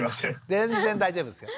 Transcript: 全然大丈夫ですよ。